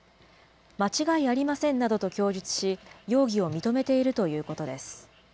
間違いありませんなどと供述し、容疑を認めているということです。